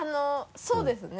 そうですね。